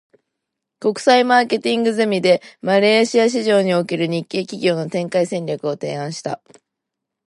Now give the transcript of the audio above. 国際マーケティングゼミで、マレーシア市場における日系企業の展開戦略を提案した。